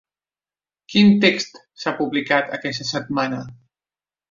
Quin text s'ha publicat aquesta setmana?